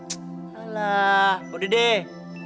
ck alah udah deh